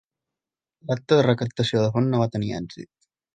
L'acte de recaptació de fons no va tenir èxit.